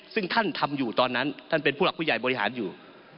ซึ่งท่านทำอยู่ตอนนั้นท่านเป็นผู้หลักผู้ใหญ่บริหารอยู่